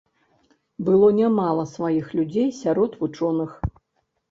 Было нямала сваіх людзей сярод вучоных.